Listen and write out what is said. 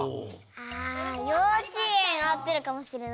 あようちえんあってるかもしれない。